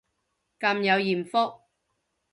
咁有艷福